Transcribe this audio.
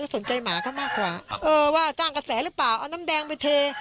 สนใจหมาเขามากกว่าเออว่าสร้างกระแสหรือเปล่าเอาน้ำแดงไปเท